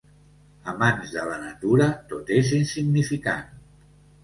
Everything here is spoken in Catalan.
A mans de la natura tot és insignificant.